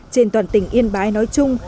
trên toàn tỉnh yên bái nói chung